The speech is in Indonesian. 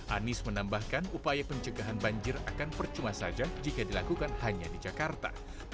anies menambahkan upaya pencegahan banjir akan percuma saja jika dilakukan hanya di jakarta